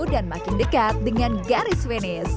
dan makin dekat dengan garis venis